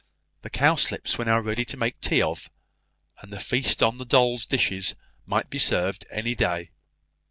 The cowslips were now ready to make tea of, and the feast on the dolls' dishes might be served any day.